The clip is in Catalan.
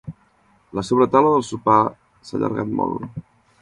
La sobretaula del sopar s'ha allargat molt.